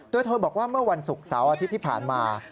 โดยเธอบอกว่าเมื่อวันศุกร์เสาร์อาทิตย์ที่ผ่านมา